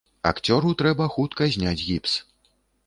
Акцёру трэба хутка зняць гіпс.